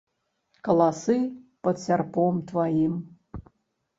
Каласы пад сярпом тваім.